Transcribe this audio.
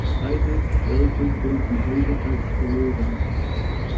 Beide Werke gelten heute als verloren.